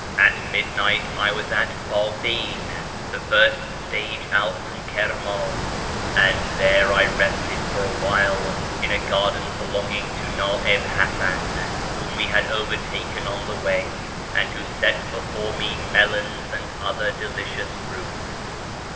At midnight I was at ^ I.e. Beha'u 'llah. I FROM KIRMAN to ENGLAND 543 Bcighin, the first stage out from Kirman, and there I rested for a while in a garden belonging to Naib Hasan, whom we had overtaken on the way, and who set before me melons and other delicious fruits.